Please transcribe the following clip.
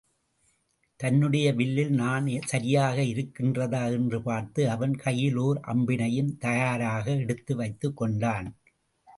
தன்னுடைய வில்லில் நாண் சரியாக இருக்கின்றதா என்று பார்த்து, அவன் கையில் ஓர் அம்பினையும் தயாராக எடுத்து வைத்துக்கொண்டான்.